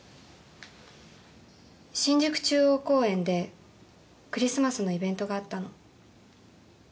新宿中央公園でクリスマスのイベントがあったの。